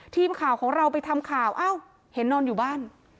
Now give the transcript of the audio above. ทีมข่าวของเราไปทำข่าวอ้าวเห็นนอนอยู่บ้าน